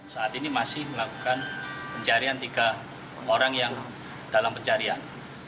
saat ini masih melakukan pencarian tiga orang yang dalam pencarian